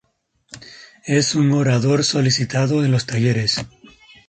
Es un orador solicitado en los talleres.